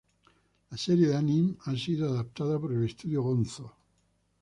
La serie de Anime ha sido adaptada por el estudio Gonzo.